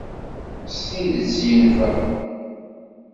S tidett yenfa?